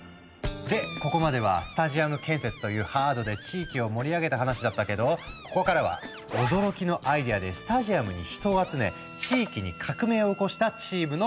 でここまではスタジアム建設というハードで地域を盛り上げた話だったけどここからは驚きのアイデアでスタジアムに人を集め地域に革命を起こしたチームの物語。